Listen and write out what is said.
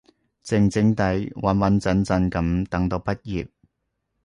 靜靜哋，穩穩陣陣噉等到畢業